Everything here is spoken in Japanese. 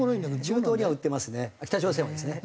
中東には売ってますね北朝鮮はですね。